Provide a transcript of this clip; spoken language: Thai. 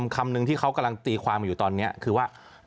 คำนึงที่เขากำลังตีความอยู่ตอนนี้คือว่า